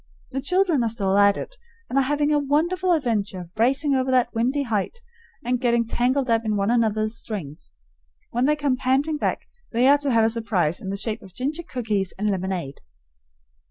The children are still at it, and are having a wonderful adventure racing over that windy height and getting tangled up in one another's strings. When they come panting back they are to have a surprise in the shape of ginger cookies and lemonade.